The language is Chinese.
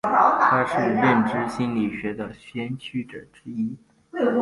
他是认知心理学的先驱者之一。